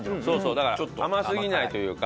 だから甘すぎないというか。